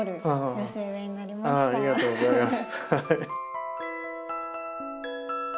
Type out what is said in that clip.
ありがとうございます。